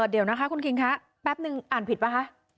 เดี๋ยวนะคะคุณคิงคะแป๊บนึงอ่านผิดป่ะคะ